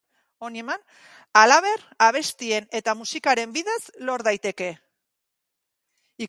Halaber, abestien eta musikaren bidez lor daiteke.